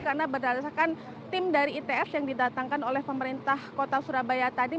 karena berdasarkan tim dari its yang didatangkan oleh pemerintah kota surabaya tadi